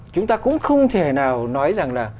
chúng ta cũng không thể nào nói rằng là